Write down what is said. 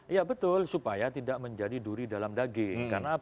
iya betul supaya tidak menjadi duri dalam daging